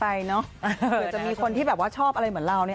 เผื่อจะมีคนที่ชอบอะไรเหมือนเรานี่